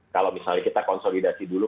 kalau misalnya kita konsolidasi dulu